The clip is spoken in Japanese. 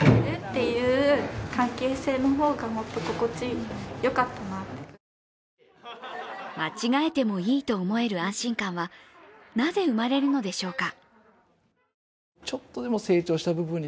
そばで見守ってきた父の雅彦さんは間違えてもいいと思える安心感は、なぜ生まれるのでしょうか。